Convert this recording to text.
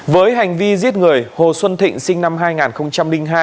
với hành vi giết người hồ xuân thịnh sinh năm hai nghìn hai